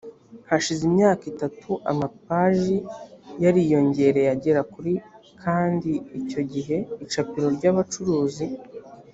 hashize imyaka itatu amapaji yariyongereye agera kuri kandi icyo gihe icapiro ry abacuruzi